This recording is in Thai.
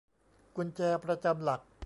กุญแจประจำหลัก